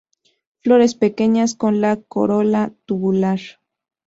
Flores pequeñas con la corola tubular.